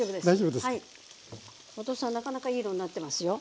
後藤さんなかなかいい色になってますよ。